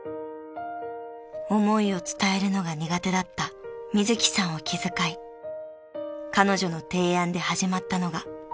［思いを伝えるのが苦手だったみずきさんを気遣い彼女の提案で始まったのが文通でした］